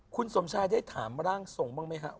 คุณสมชายได้ถามร่างทรงบ้างไหมครับ